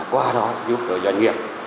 qua đó giúp cho doanh nghiệp